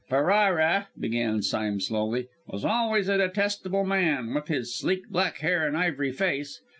"Ferrara," began Sime slowly, "was always a detestable man, with his sleek black hair, and ivory face.